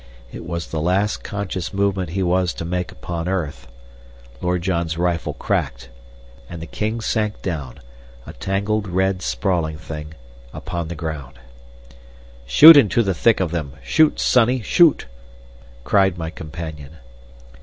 It was the last conscious movement he was to make upon earth. Lord John's rifle cracked, and the king sank down, a tangled red sprawling thing, upon the ground. "Shoot into the thick of them! Shoot! sonny, shoot!" cried my companion.